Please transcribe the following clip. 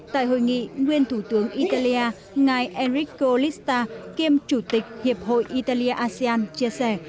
tại hội nghị nguyên thủ tướng italia ngài enrico lista kiêm chủ tịch hiệp hội italia asean chia sẻ